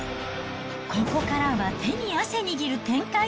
ここからは手に汗握る展開。